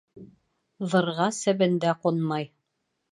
«Ҙыр»ға себен дә ҡунмай.